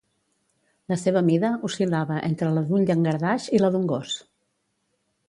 La seva mida oscil·lava entre la d'un llangardaix i la d'un gos.